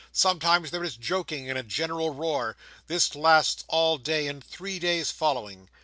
Sometimes there is joking and a general roar. This lasts all day and three days following.